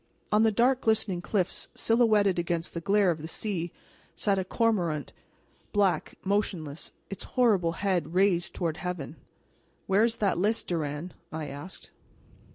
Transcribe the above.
On the dark glistening cliffs, silhouetted against the glare of the sea, sat a cormorant, black, motionless, its horrible head raised toward heaven. "Where is that list, Durand?" I asked.